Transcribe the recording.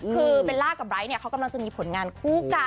คือเบลล่ากับไร้เนี่ยเขากำลังจะมีผลงานคู่กัน